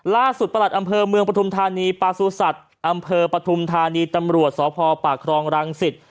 ล่าสุดประหลัดอำเภอเมืองประทุมธานีปสุษัตริย์อำเภอประทุมธานีตำรวจสอพอปะครองรังสิต